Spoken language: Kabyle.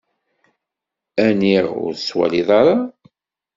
Aniɣ ur tettwaliḍ ara?